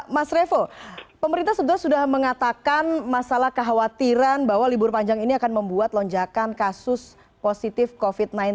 mas revo pemerintah sebetulnya sudah mengatakan masalah kekhawatiran bahwa libur panjang ini akan membuat lonjakan kasus positif covid sembilan belas